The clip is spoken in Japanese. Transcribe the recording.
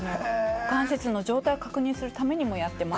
股関節の状態を確認するためにもやっています。